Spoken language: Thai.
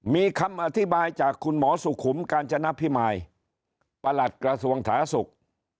มีคำอธิบายจากคุณหมอสุขุมกาญจนพิมายประหลัดกระทรวงสาธารณสุข